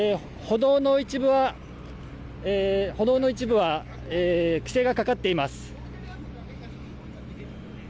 歩道の一部は規制がかかっています。